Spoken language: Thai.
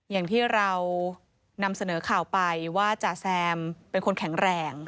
อย่างที่เรานำเสนอข่าวไปว่าจ่าแซมเป็นคนแข็งแรง